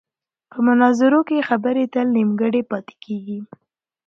په مناظرو کې خبرې تل نیمګړې پاتې کېږي.